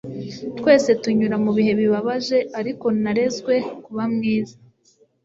twese tunyura mu bihe bibabaje, ariko narezwe kuba mwiza